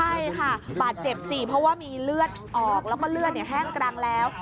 ใช่ค่ะบาดเจ็บสิเพราะว่ามีเลือดออกแล้วก็เลือดแห้งกรังแล้ว